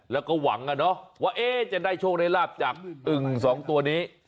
แล้วก็หวังอะเนาะว่าจะได้โชคได้ลาบจากอึ่งสองตัวนี้